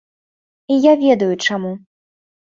І я ведаю, чаму.